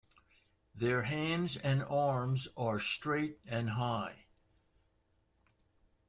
Their hands and arms are straight and high.